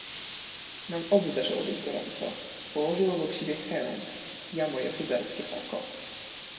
"Nam obu zaczęło być gorąco: położył obok siebie hełm, ja moje huzarskie czako."